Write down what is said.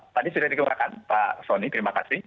tadi sudah dikembangkan pak soni terima kasih